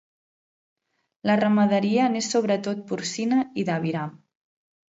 La ramaderia n'és sobretot porcina i d'aviram.